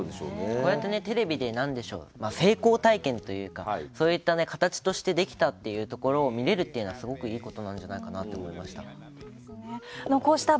こうやってテレビで成功体験というかそういった形としてできたというのを見れるっていうのはすごくいいことなんじゃないかなって思いました。